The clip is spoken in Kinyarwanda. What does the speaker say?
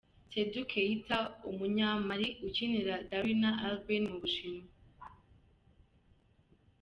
Seydou Keita, umunyamali ukinira Dalian Aerbin mu Bushinwa.